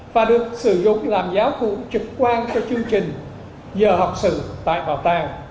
và được sử dụng làm giáo cụ trực quan cho chương trình giờ học sự tại bảo tàng